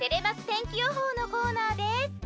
天気予報のコーナーです。